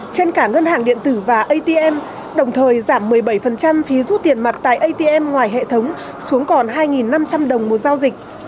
trên cả ngân hàng điện tử và atm đồng thời giảm một mươi bảy phí rút tiền mặt tại atm ngoài hệ thống xuống còn hai năm trăm linh đồng một giao dịch